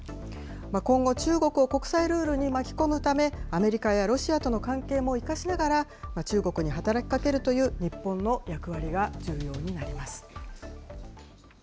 今後、中国を国際ルールに巻き込むため、アメリカやロシアとの関係も生かしながら、中国に働きかけるという、日本の役割が重要になります。